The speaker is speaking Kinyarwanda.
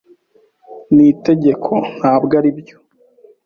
Ni itegeko, ntabwo aribyo.